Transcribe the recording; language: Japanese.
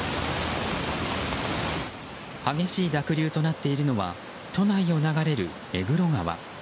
激しい濁流となっているのは都内を流れる目黒川。